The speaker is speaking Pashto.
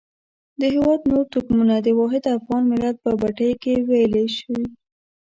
د هېواد نور توکمونه د واحد افغان ملت په بټۍ کې ویلي شوي.